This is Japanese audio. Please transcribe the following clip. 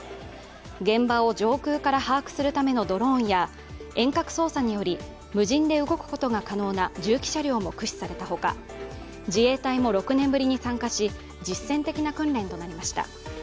現場を上空から把握するためのドローンや遠隔操作により無人で動くことが可能な重機車両も駆使されたほか自衛隊も６年ぶりに参加し実践的な訓練となりました。